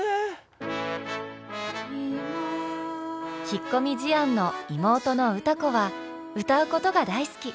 引っ込み思案の妹の歌子は歌うことが大好き。